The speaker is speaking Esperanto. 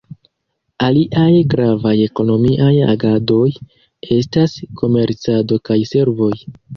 Aliaj gravaj ekonomiaj agadoj estas komercado kaj servoj.